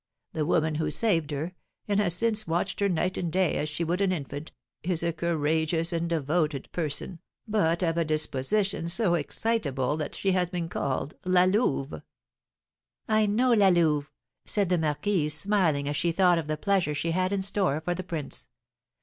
The woman who saved her, and has since watched her night and day as she would an infant, is a courageous and devoted person, but of a disposition so excitable that she has been called La Louve." "I know La Louve," said the marquise, smiling as she thought of the pleasure she had in store for the prince.